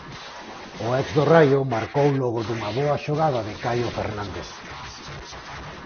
O ex do Raio marcou logo dunha boa xogada de Caio Fernandes.